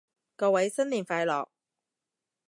各位新年快樂